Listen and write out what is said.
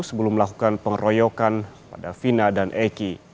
sebelum melakukan pengeroyokan pada vina dan eki